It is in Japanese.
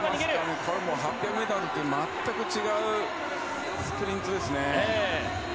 ８００ｍとは全く違うスプリントですね。